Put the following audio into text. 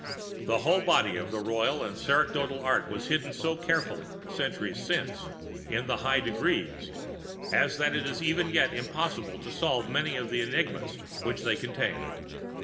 The whole body of the Royal and Sacerdotal Art was hidden so carefully, centuries since, in the High Degrees, as that it is even yet impossible to solve many of the enigmas which they contain.